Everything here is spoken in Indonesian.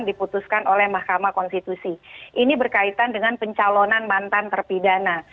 diputuskan oleh mahkamah konstitusi ini berkaitan dengan pencalonan mantan terpidana